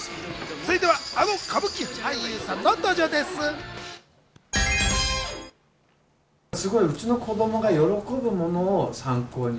続いてはあの歌舞伎俳優さんの登場です。